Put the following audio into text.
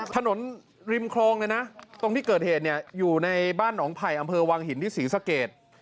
ถนนริมคลองเลยนะตรงที่เกิดเหตุเนี่ยอยู่ในบ้านหนองไผ่อำเภอวังหินที่ศรีสะเกด